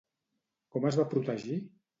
Com es va protegir?